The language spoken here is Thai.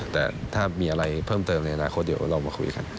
แต่ถ้ามีอะไรเพิ่มเติมในอนาคตเดี๋ยวเรามาคุยกัน